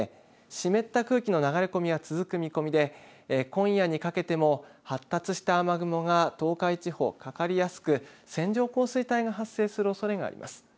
湿った空気の流れ込みは続く見込みで今夜にかけても発達した雨雲が東海地方、かかりやすく線状降水帯が発生するおそれがあります。